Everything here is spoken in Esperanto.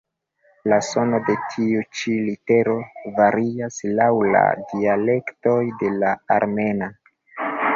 La sono de tiu ĉi litero varias laŭ la dialektoj de la armena.